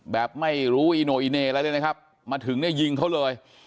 แบบไม่รู้อีโนอิเน่อะไรเลยนะครับมาถึงเนี่ยยิงเขาเลย